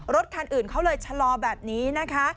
รถคันอื่นเขาเลยชะลอแบบนี้นะคะ